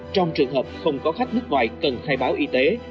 trong trường hợp không có khách nước ngoài cần khai báo y tế